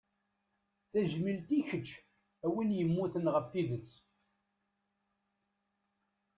Tajmilt i keč a win yemmuten ɣef tidet.